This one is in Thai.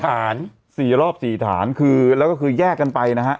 สี่รอบสี่ฐานสี่รอบสี่ฐานคือแล้วก็คือแยกกันไปนะฮะ